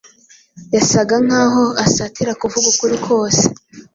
yasaga nk’aho asatira kuvuga ukuri kose